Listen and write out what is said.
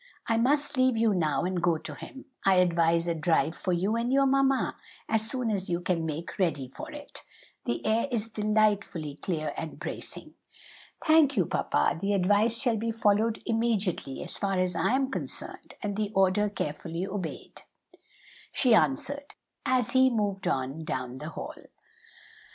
I must leave you now and go to him. I advise a drive for you and your mamma as soon as you can make ready for it; the air is delightfully clear and bracing." "Thank you, papa; the advice shall be followed immediately so far as I am concerned, and the order carefully obeyed," she answered, as he moved on down the hall.